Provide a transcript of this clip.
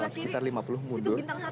sekitar lima puluh mundur